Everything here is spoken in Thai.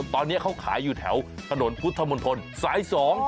ตอนนี้เขาขายอยู่แถวถนนพุทธมนตรสาย๒